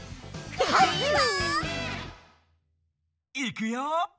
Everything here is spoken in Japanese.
いくよ！